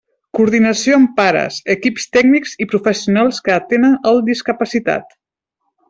Coordinació amb pares, equips tècnics i professionals que atenen el discapacitat.